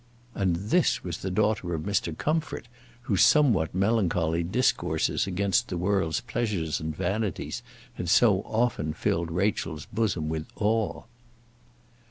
And this was the daughter of Mr. Comfort, whose somewhat melancholy discourses against the world's pleasures and vanities had so often filled Rachel's bosom with awe!